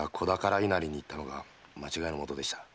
稲荷に行ったのが間違いの元でした。